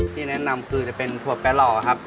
ที่แนะนำคือจะเป็นถั่วแป๊หล่อครับ